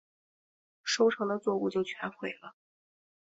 收成的作物就全毁了